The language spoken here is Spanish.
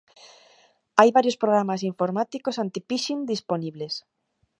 Hay varios programas informáticos "anti-phishing" disponibles.